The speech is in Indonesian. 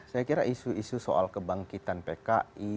saya kira isu isu soal kebangkitan pki